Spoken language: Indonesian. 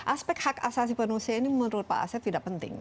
aspek hak asasi manusia ini menurut pak asep tidak penting